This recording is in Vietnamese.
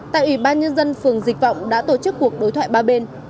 tại ủy ban nhân dân phường dịch vọng đã tổ chức cuộc đối thoại ba bên